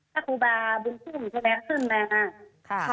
ถ้าครูบาร์บุญตุ้มจะแรกขึ้นเลยค่ะ